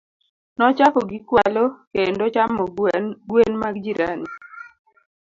Nochako gi kwalo kendo chamo gwen mag jirani.